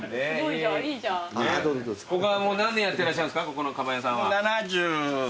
ここのかばん屋さんは。